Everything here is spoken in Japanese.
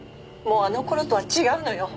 もうあの頃とは違うのよ